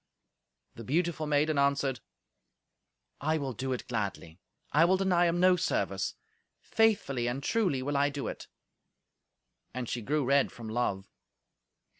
The beautiful maiden answered, "I will do it gladly. I will deny him no service. Faithfully and truly will I do it." And she grew red from love.